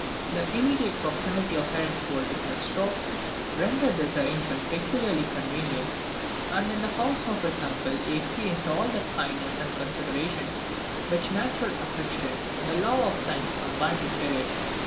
The immediate proximity of Herritzvold to Knudstorp, rendered this arrangement peculiarly convenient, and in the house of his uncle he experienced all that kindness and consideration which natural affection and a love of science combined to cherish.